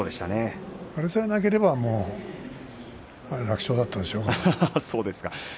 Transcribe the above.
それさえなければ楽勝だったでしょうけどね。